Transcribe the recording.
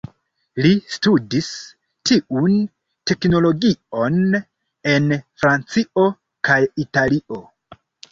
Li studis tiun teknologion en Francio kaj Italio.